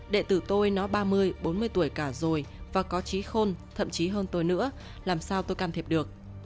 đệ tử tôi nó ba mươi bốn mươi tuổi cả rồi và có trí khôn thậm chí hơn tôi nữa làm sao tôi can thiệp được